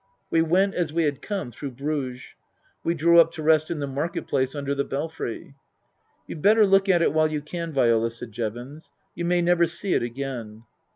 We went, as we had come, through Bruges. We drew up to rest in the Market Place under the Belfry. " You'd better look at it while you can, Viola," said Jevons. " You may never see it again."